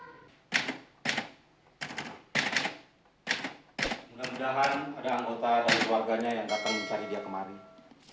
mudah mudahan ada anggota dari keluarganya yang datang mencari dia kemarin